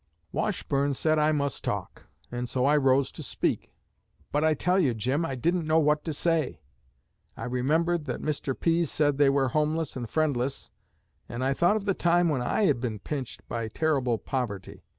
Washburne said I must talk. And so I rose to speak; but I tell you, Jim, I didn't know what to say. I remembered that Mr. Pease said they were homeless and friendless, and I thought of the time when I had been pinched by terrible poverty.